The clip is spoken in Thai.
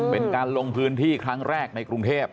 เป็นการลงพื้นที่ครั้งแรกในกรุงเทพ